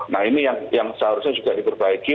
nah ini yang seharusnya juga diperbaiki